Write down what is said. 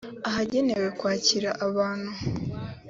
ahagenewe kwakira abantu